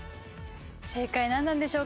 正解なんなんでしょうか？